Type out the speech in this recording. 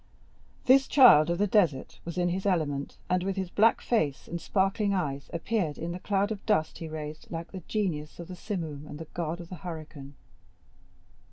This child of the desert was in his element, and with his black face and sparkling eyes appeared, in the cloud of dust he raised, like the genius of the simoom and the god of the hurricane.